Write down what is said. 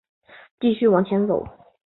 继续往上走